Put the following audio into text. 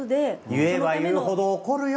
言えば言うほど怒るよ